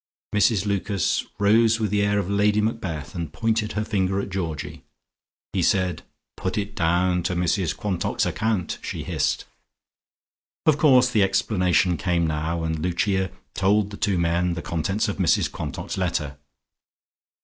Mrs Lucas rose with the air of Lady Macbeth and pointed her finger at Georgie. "He said 'Put it down to Mrs Quantock's account,'" she hissed. Of course the explanation came now, and Lucia told the two men the contents of Mrs Quantock's letter.